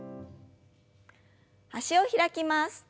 脚を開きます。